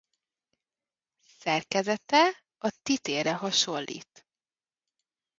Szerkezete a TlTe-éra hasonlít.